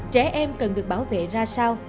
trẻ em cần được bảo vệ ra sao